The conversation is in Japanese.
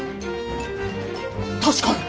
確かに。